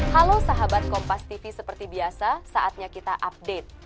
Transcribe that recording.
halo sahabat kompas tv seperti biasa saatnya kita update